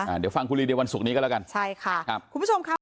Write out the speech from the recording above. เดี๋ยวฟังคุณลีเดียวันศุกร์นี้ก็แล้วกันใช่ค่ะครับคุณผู้ชมครับ